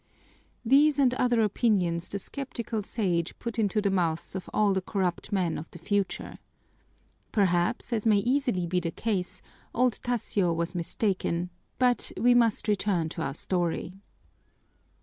'" These and other opinions the skeptical Sage put into the mouths of all the corrupt men of the future. Perhaps, as may easily be the case, old Tasio was mistaken, but we must return to our story.